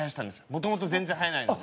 もともと全然生えないので。